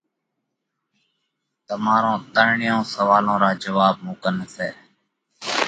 تمارون ترڻيون سوئالون را جواٻ مُون ڪنَ سئہ۔